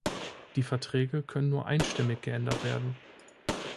Die Verträge können nur einstimmig geändert werden.